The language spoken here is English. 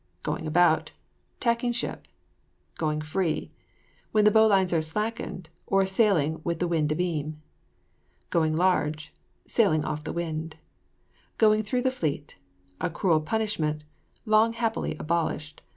GOING ABOUT. Tacking ship. GOING FREE. When the bowlines are slackened, or sailing with the wind abeam. GOING LARGE. Sailing off the wind. GOING THROUGH THE FLEET. A cruel punishment, long happily abolished.